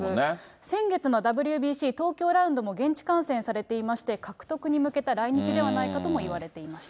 先月のＷＢＣ東京ラウンドも現地観戦されていまして、獲得に向けた来日ではないかともいわれていました。